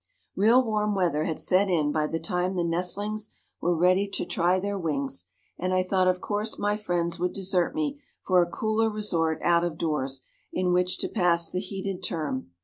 Real warm weather had set in by the time the nestlings were ready to try their wings, and I thought, of course, my friends would desert me for a cooler resort out of doors, in which to pass the heated term.